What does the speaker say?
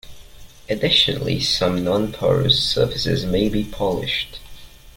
Additionally, some nonporous surfaces may be polished.